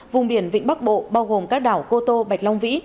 vùng biển vịnh bắc bộ bao gồm các đảo cô tô bạch long vĩ